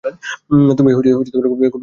তুমি খুবই গুরুত্বপূর্ণ, মেইজি।